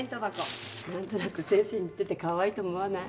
何となく先生に似ててかわいいと思わない？